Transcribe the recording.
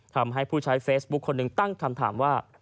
ทำให้ผู้ใช้เฟซบุ๊คคนหนึ่งตั้งคำถามว่า